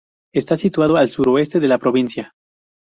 Está situado al suroeste de la provincia.